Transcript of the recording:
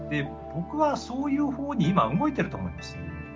僕はそういう方に今動いてると思います。